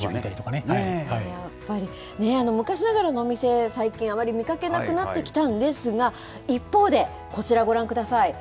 やっぱり、昔ながらのお店、最近あまり見かけなくなってきたんですが、一方で、こちらご覧ください。